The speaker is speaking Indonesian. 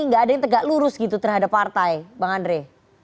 nggak ada yang tegak lurus gitu terhadap partai bang andre